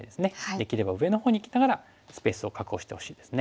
できれば上のほうにいきながらスペースを確保してほしいですね。